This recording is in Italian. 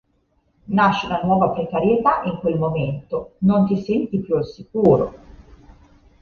Nasce una nuova precarietà in quel momento, non ti senti più al sicuro.